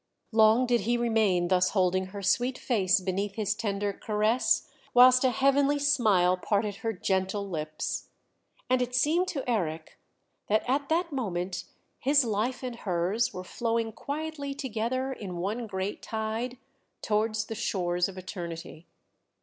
Long did he remain thus holding her sweet face beneath his tender caress, whilst a heavenly smile parted her gentle lips. And it seemed to Eric that at that moment his life and hers were flowing quietly together in one great tide towards the shores of Eternity....